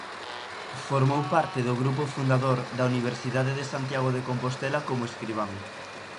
Formou parte do grupo fundador da Universidade de Santiago de Compostela como escribán.